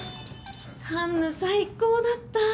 ・カンヌ最高だった。